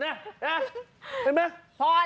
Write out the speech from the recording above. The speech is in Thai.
น่ะน่ะเห็นไหม